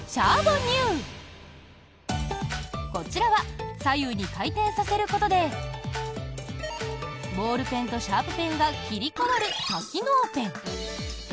こちらは左右に回転させることでボールペンとシャープペンが切り替わる多機能ペン。